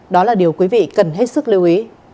đó là điều quý vị cần hết sức lưu ý